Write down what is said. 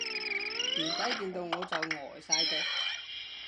唔使見到我就呆晒嘅